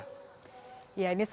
terima kasih ibu